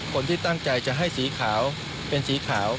คนที่ตั้งใจจะให้สีขาวเป็นสีขาว